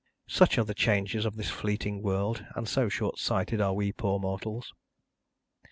Such are the changes of this fleeting world, and so short sighted are we poor mortals!